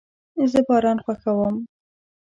زه باران خوښوم